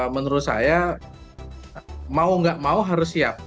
menurut saya mau nggak mau harus siap